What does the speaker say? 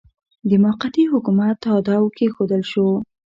د موقتي حکومت تاداو کښېښودل شو.